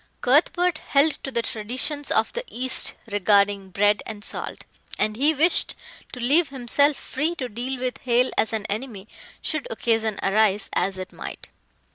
Cuthbert held to the traditions of the East regarding bread and salt, and he wished to leave himself free to deal with Hale as an enemy, should occasion arise, as it might.